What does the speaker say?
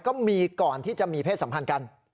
ก็มีก่อนที่จะมีเพศสัมพันธ์กัน